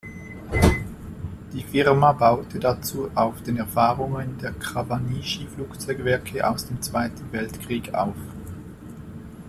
Die Firma baute dazu auf den Erfahrungen der Kawanishi-Flugzeugwerke aus dem Zweiten Weltkrieg auf.